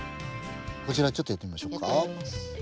こちらちょっとやってみましょうか。